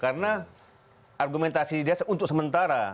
karena argumentasi dia untuk sementara